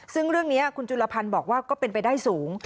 ซึ่งเรื่องนี้คุณจุลพันธ์บอกว่าก็เป็นไปได้สูง